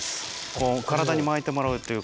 こう体に巻いてもらうっていう。